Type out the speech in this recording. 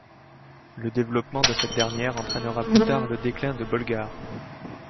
Le développement de cette dernière entraînera plus tard le déclin de Bolgar.